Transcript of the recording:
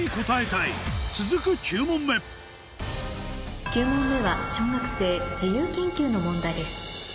９問目９問目は小学生自由研究の問題です